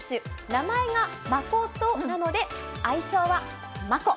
名前がまことなので、愛称はマコ。